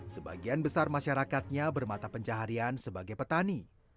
sebagian besar masyarakatnya bermata pencaharian sebagai petani